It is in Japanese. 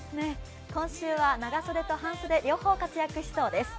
今週は長袖と半袖、両方活躍しそうです。